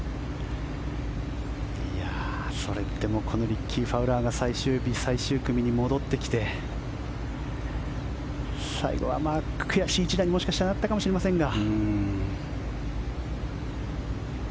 それでもリッキー・ファウラーが最終日、最終組に戻ってきて最後は悔しい一打にもしかしたらなったかもしれませんが。